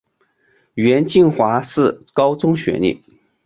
袁敬华是高中学历。